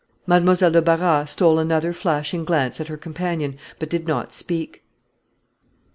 Mademoiselle de Barras stole another flashing glance at her companion, but did not speak. "Mr.